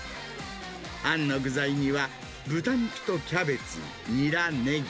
あんの具材には、豚肉とキャベツ、ニラ、ネギ。